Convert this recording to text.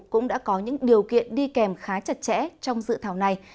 cũng đã có những điều kiện đi kèm khá chặt chẽ trong dự thảo này